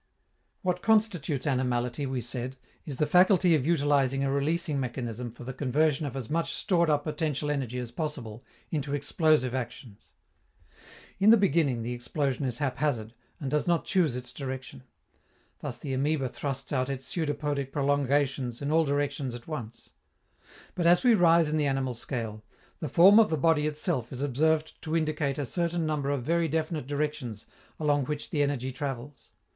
What constitutes animality, we said, is the faculty of utilizing a releasing mechanism for the conversion of as much stored up potential energy as possible into "explosive" actions. In the beginning the explosion is haphazard, and does not choose its direction. Thus the amoeba thrusts out its pseudopodic prolongations in all directions at once. But, as we rise in the animal scale, the form of the body itself is observed to indicate a certain number of very definite directions along which the energy travels.